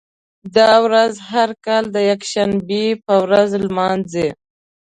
دا ورځ هر کال د یکشنبې په ورځ لمانځي.